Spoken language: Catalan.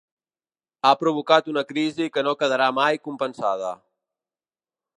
Ha provocat una crisi que no quedarà mai compensada.